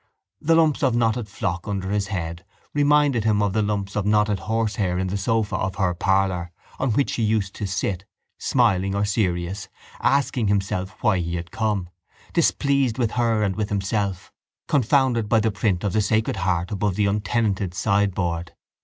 The lumps of knotted flock under his head reminded him of the lumps of knotted horsehair in the sofa of her parlour on which he used to sit, smiling or serious, asking himself why he had come, displeased with her and with himself, confounded by the print of the Sacred Heart above the untenanted sideboard.